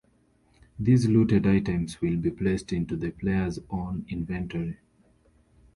These looted items will be placed into the player's own inventory.